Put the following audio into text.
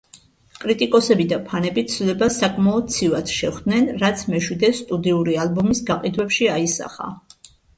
კრიტიკოსები და ფანები ცვლილებას საკმაოდ ცივად შეხვდნენ რაც მეშვიდე სტუდიური ალბომის გაყიდვებში აისახა.